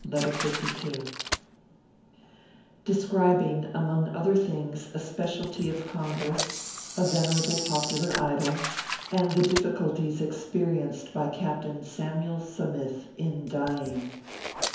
LETTEE LIL DESCRIBING, AMONG OTHER THINGS, A SPECIALITY OF CONGRESS, A VENERABLE POPULAR IDOL, AND THE DIFFICULTIES EXPERIENCED BY CAPTAIN . SAMYULE SA MITH IN DYING.